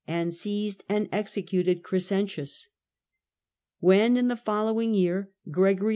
and seized and executed Crescentius. When, in the following year, Gregory V.